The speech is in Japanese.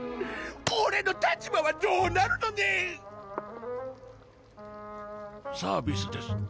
オレの立場はどうなるのねん⁉サービスです